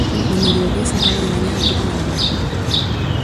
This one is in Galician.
O noruegués acaba de gañar a Copa de Alemaña.